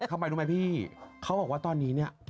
ทำไมรู้ไหมพี่เขาบอกว่าตอนนี้เนี่ย